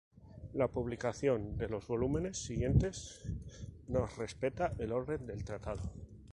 La publicación de los volúmenes siguientes no respeta el orden del tratado.